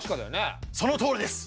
そのとおりです！